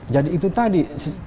jadi itu tadi